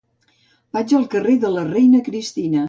Vaig al carrer de la Reina Cristina.